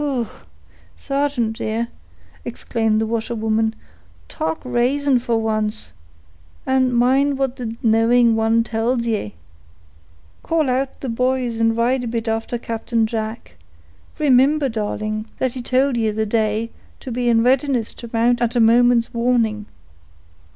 "Pooh! sargeant dear," exclaimed the washerwoman, "talk r'ason for once, and mind what the knowing one tells ye; call out the boys and ride a bit after Captain Jack; remimber, darling, that he told ye, the day, to be in readiness to mount at a moment's warning."